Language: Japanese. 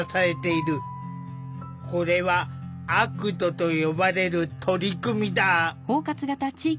これはＡＣＴと呼ばれる取り組みだ。